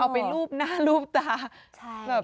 เอาเป็นรูปหน้ารูปตา